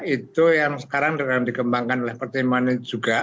itu yang sekarang sedang digembangkan oleh pertemuan ini juga